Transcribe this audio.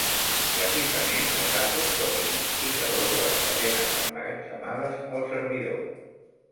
Precisament, els àtoms són identificadors de les cadenes emmagatzemades al servidor.